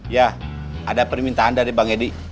ya ada permintaan dari bang edi